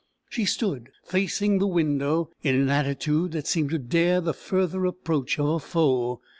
She stood facing the window, in an attitude that seemed to dare the further approach of a foe.